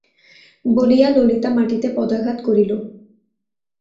বলিয়া ললিতা মাটিতে পদাঘাত করিল।